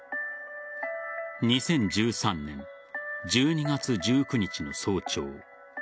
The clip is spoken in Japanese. ２０１３年１２月１９日の早朝。